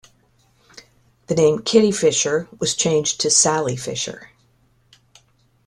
The name "Kitty Fisher was changed to "Sally Fisher".